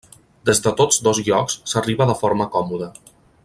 Des de tots dos llocs s'arriba de forma còmoda.